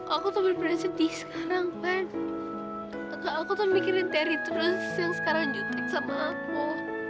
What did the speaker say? aku tuh bener bener sedih sekarang kan aku tuh mikirin teri terus yang sekarang jutrik sama aku